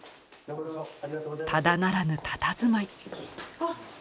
ただならぬたたずまい。